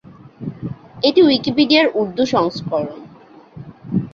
এটি উইকিপিডিয়ার উর্দু সংস্করণ।